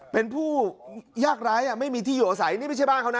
เป็นผู้ยากร้ายไม่มีที่อยู่อาศัยนี่ไม่ใช่บ้านเขานะ